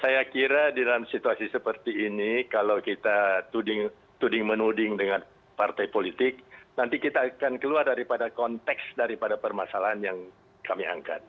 saya kira di dalam situasi seperti ini kalau kita tuding menuding dengan partai politik nanti kita akan keluar daripada konteks daripada permasalahan yang kami angkat